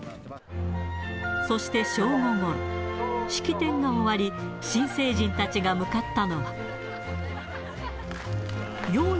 そして正午ごろ、式典が終わり、新成人たちが向かったのは。